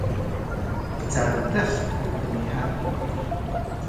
caledes ku demiad